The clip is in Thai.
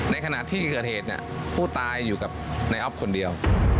ในขณะที่เกิดเหตุเนี่ยผู้ตายอยู่กับนายอ๊อฟคนเดียว